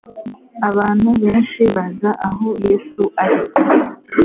Abantu benshi baza aho Yesu ari.